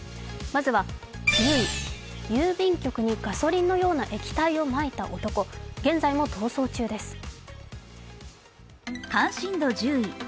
まずは１０位、郵便局にガソリンのような液体をまいた男、現在も逃走中です。